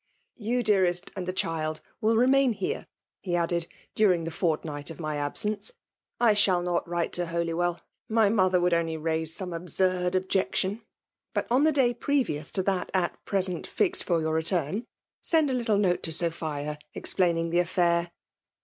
^Yon, dearest, and the child will remain here, he added, " during the fortnight oF my absence. I shall not write to Holywell; — ^my mofJicr would <nAj raise some absurd otriecftion. But on the day previous to fhat aft present fixed fcr yoor reftum, send a litde note to Sophia, explaining the aSatr.